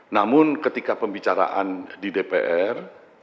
namun ketika pembicaraan di dpr